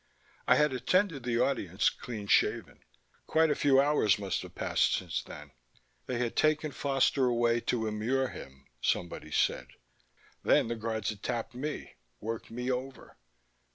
I had attended the Audience clean shaven. Quite a few hours must have passed since then. They had taken Foster away to immure him, somebody said. Then the guards had tapped me, worked me over....